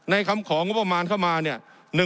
คำของงบประมาณเข้ามาเนี่ย